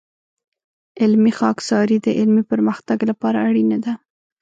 علمي خاکساري د علمي پرمختګ لپاره اړینه ده.